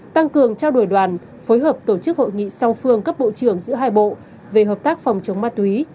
tăng cường trao đổi đoàn phối hợp tổ chức hội nghị song phương cấp bộ trưởng giữa hai bộ về hợp tác phòng chống ma túy